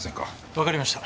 わかりました。